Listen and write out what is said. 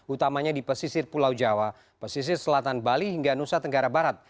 utamanya di pesisir pulau jawa pesisir selatan bali hingga nusa tenggara barat